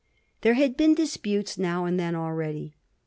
There had been disputes now and then already.